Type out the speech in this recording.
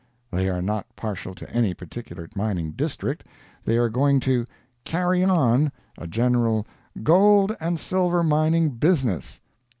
They are not partial to any particular mining district. They are going to "carry on" a general "gold and silver mining business"!